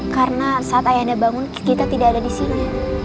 karena saat ayah anda bangun kita tidak ada di sini